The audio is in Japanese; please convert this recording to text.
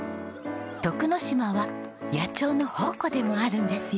徳之島は野鳥の宝庫でもあるんですよ。